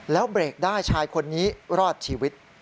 แล้วเร่งกระทันหันนี้ได้ชายคนนี้รอดชีวิต